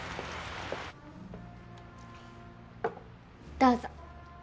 どうぞ。